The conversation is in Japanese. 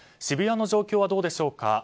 渋谷の状況はどうでしょうか。